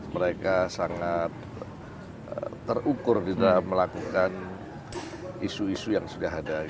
mereka sangat terukur di dalam melakukan isu isu yang sudah ada